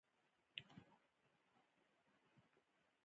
موږ ګړنګو ته ټنګه هم وایو.